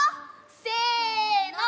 せの。